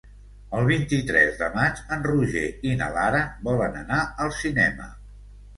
El vint-i-tres de maig en Roger i na Lara volen anar al cinema.